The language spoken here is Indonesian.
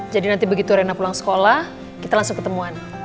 jadi nanti begitu rena pulang sekolah kita langsung ketemuan